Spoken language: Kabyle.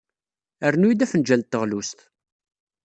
Rnu-iyi-d afenjal n teɣlust.